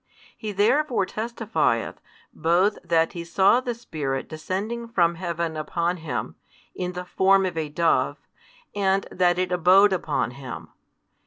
He therefore testifieth, both that he saw the Spirit descending from Heaven upon Him, in the form of a Dove, and that It abode upon Him.